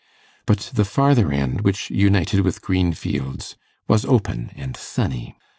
But the farther end, which united with green fields, was open and sunny.